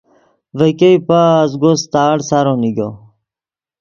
ڤے ګئے پازگو ستاڑ سارو نیگو۔